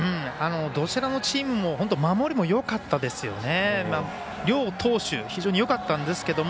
どちらのチームも守りがよかったですよね。